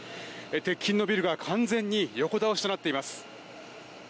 鉄筋のビルが完全に横倒しとなっています。